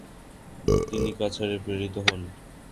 তিনি কাছাড়ে প্রেরিত হন।